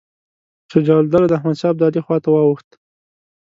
شجاع الدوله د احمدشاه ابدالي خواته واوښت.